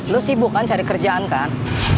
lu sibuk kan cari kerjaan kan